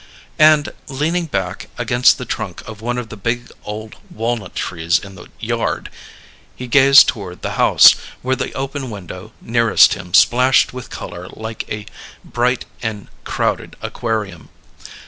And, leaning back against the trunk of one of the big old walnut trees in the yard, he gazed toward the house, where the open window nearest him splashed with colour like a bright and crowded aquarium.